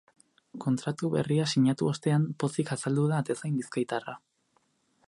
Kontratu berria sinatu ostean, pozik azaldu da atezain bizkaitarra.